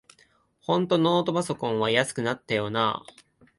ほんとノートパソコンは安くなったよなあ